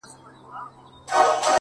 یو څوک دي ووایي چي کوم هوس ته ودرېدم